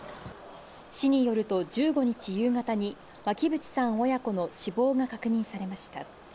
市によると１５日夕方に巻渕さん親子の死亡が確認されました。